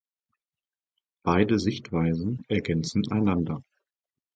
Beide Sichtweisen ergänzen einander.